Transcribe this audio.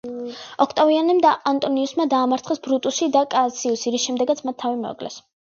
ოქტავიანემ და ანტონიუსმა დაამარცხეს ბრუტუსი და კასიუსი, რის შემდეგაც მათ თავი მოიკლეს.